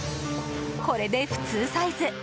これで普通サイズ！